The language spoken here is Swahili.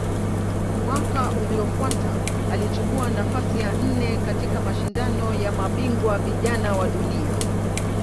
Mwaka uliofuata alichukua nafasi ya nne katika Mashindano ya Mabingwa Vijana wa Dunia.